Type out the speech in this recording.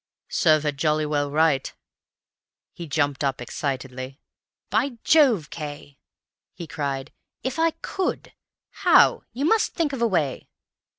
'Serve her jolly well right.' "He jumped up excitedly. "'By Jove, Cay!' he cried. 'If I could! How? You must think of a way.